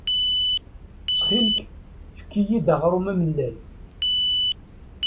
Ttxil-k, efk-iyi-d aɣrum amellal.